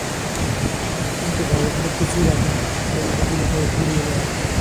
তুমি তো ঘরের খবর কিছুই রাখ না, কেবল বাইরের খবর কুড়িয়ে বেড়াও।